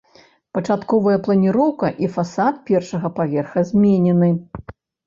Пачатковая планіроўка і фасад першага паверха зменены.